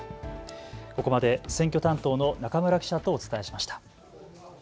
ここまで選挙担当の中村記者とお伝えしました。